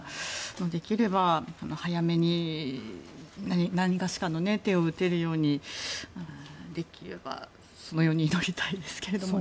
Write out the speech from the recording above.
できれば早めになにがしかの手を打てるようにできればそのようにしていただきたいですが。